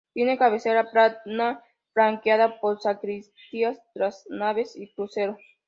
Tiene cabecera plana -flanqueada por sacristías-, tras naves y crucero.